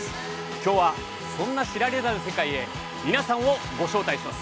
きょうはそんな知られざる世界へ皆さんをご紹介します。